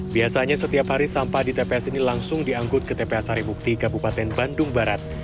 biasanya setiap hari sampah di tps ini langsung diangkut ke tpa sarimukti kabupaten bandung barat